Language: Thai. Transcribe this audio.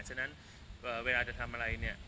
ฉะนั้นเวลาจะทำอะไรเนี่ย